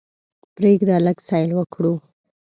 پریږده لږ سیل وکړو.